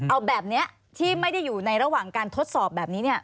เอาแบบนี้ที่ไม่ได้อยู่ในระหว่างการทดสอบแบบนี้เนี่ย